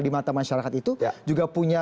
di mata masyarakat itu juga punya